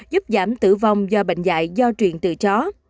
giúp giảm tử vong do bệnh dạy do truyền từ chó